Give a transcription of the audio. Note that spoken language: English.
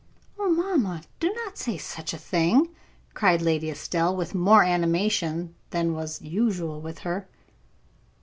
"Oh, mamma, do not say such a thing!" cried Lady Estelle, with more animation than was usual with her.